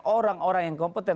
orang orang yang kompeten